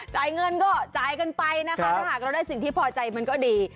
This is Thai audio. จ่ายเงินก็จ่ายกันไปนะคะถ้าหากเราได้สิ่งที่พอใจมันก็ดี